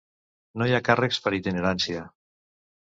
No hi ha càrrecs per itinerància.